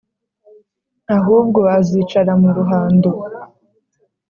ahubwo azicara mu ruhando